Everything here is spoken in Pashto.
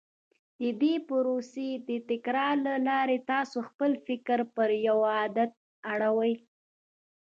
د دې پروسې د تکرار له لارې تاسې خپل فکر پر يوه عادت اړوئ.